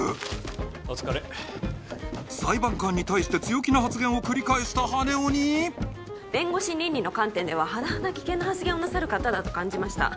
お疲れ裁判官に対して強気な発言を繰り返した羽男に弁護士倫理の観点でははなはだ危険な発言をなさる方だと感じました